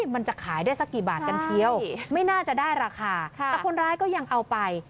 มันจะขายได้สักกี่บาทกันเชียวไม่น่าจะได้ราคาแต่คนร้ายก็ยังเอาไป